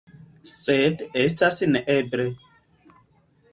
Sed estas neeble.